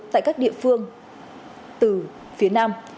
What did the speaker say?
tại các địa phương từ phía nam